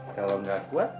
kalau gak kuat